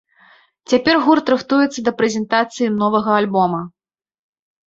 Цяпер гурт рыхтуецца да прэзентацыі новага альбома.